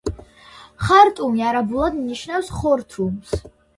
ხარტუმი არაბულად ნიშნავს ხორთუმს.